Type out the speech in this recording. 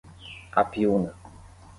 Apiúna